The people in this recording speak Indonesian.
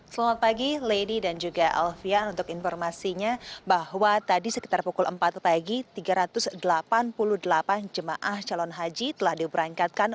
selamat pagi lady dan juga alfian untuk informasinya bahwa tadi sekitar pukul empat pagi tiga ratus delapan puluh delapan jemaah calon haji telah diberangkatkan